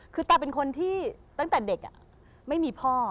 คือตาเป็นคนที่ตั้งแต่เด็กไม่มีพ่อ